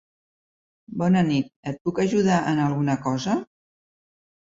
Bona nit, et puc ajudar en alguna cosa?